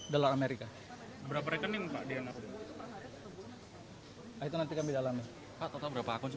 dalam amerika berapa rekening pak dian itu nanti kami dalamnya atau berapa aku